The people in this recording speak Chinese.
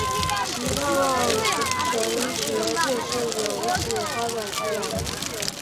其盼望神学就是有此发展出来。